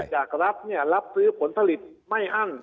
เกิดจากรับเนี่ยรับซื้อผลสลิทไม่อั้ง